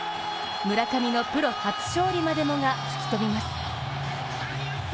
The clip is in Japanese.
村上のプロ初勝利までもが吹き飛びます。